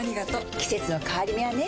季節の変わり目はねうん。